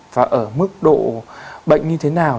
và ở mức độ bệnh như thế nào